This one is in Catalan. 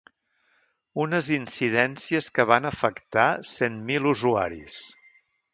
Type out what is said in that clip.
Unes incidències que van afectar cent mil usuaris.